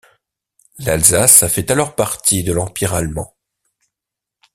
L'Alsace fait alors partie de l'Empire allemand.